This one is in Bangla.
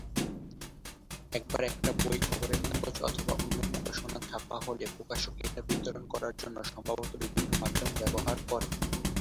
একবার একটা বই, খবরের কাগজ, অথবা অন্য প্রকাশনা ছাপা হলে, প্রকাশক এটা বিতরণ করার জন্যে সম্ভবত বিভিন্ন মাধ্যম ব্যবহার করে।